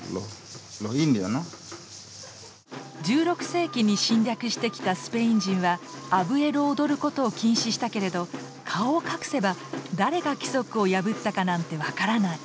１６世紀に侵略してきたスペイン人はアブエロを踊ることを禁止したけれど顔を隠せば誰が規則を破ったかなんて分からない。